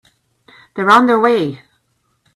They're on their way.